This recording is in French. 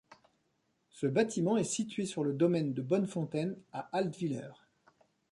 Ce bâtiment est situé sur le domaine de Bonnefontaine à Altwiller.